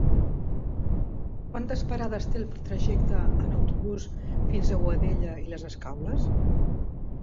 Quantes parades té el trajecte en autobús fins a Boadella i les Escaules?